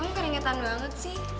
kamu keringetan banget sih